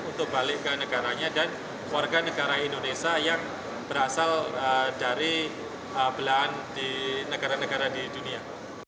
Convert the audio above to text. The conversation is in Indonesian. untuk balik ke negaranya dan warga negara indonesia yang berasal dari belahan di negara negara di dunia